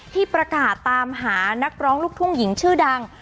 ที่ประกาศตามหานักร้องลูกทุ่งหญิงชื่อดัง